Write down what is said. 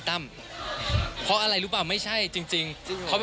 ฟัดซื้อไม่ได้ใช่มั้ยคะนี่